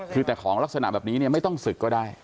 คือแต่ของลักษณะแบบนี้เนี่ยไม่ต้องศึกก็ได้